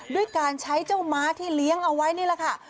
ด้วยการใช้เจ้าม้าที่เลี้ยงเอาไว้นี่แหละค่ะ